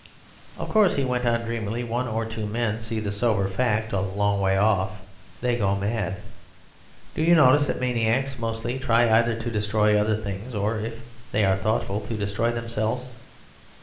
"'Of course,' he went on dreamily, 'one or two men see the sober fact a long way off—they go mad. Do you notice that maniacs mostly try either to destroy other things, or (if they are thoughtful) to destroy themselves?